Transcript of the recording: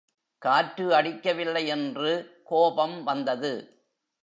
காற்று அடிக்கவில்லை என்று கோபம் வந்தது.